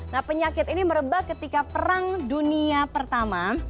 nah penyakit ini merebak ketika perang dunia pertama